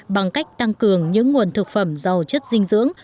bằng cách tăng cường những nguồn thực phẩm giàu chất dinh dưỡng